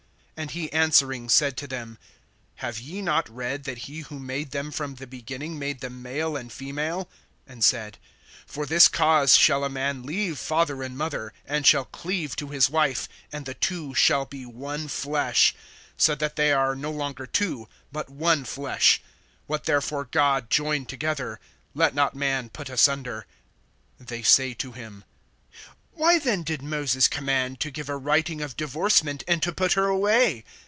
(4)And he answering said to them: Have ye not read, that he who made them[19:4] from the beginning made them male and female, (5)and said: For this cause shall a man leave father and mother, and shall cleave to his wife, and the two shall be one flesh. (6)So that they are no longer two, but one flesh. What therefore God joined together, let not man put asunder. (7)They say to him: Why then did Moses command to give a writing of divorcement, and to put her away?